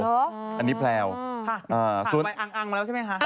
ถามไปอังอังมาแล้วใช่ไหมคะ